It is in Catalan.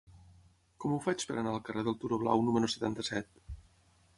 Com ho faig per anar al carrer del Turó Blau número setanta-set?